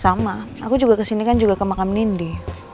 sama aku juga kesini kan juga ke makam nindi